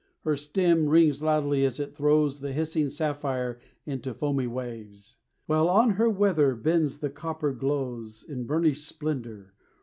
Her stem rings loudly as it throws The hissing sapphire into foamy waves, While on her weather bends the copper glows In burnished splendor.